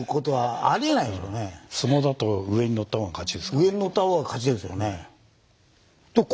上に乗ったほうが勝ちですよね。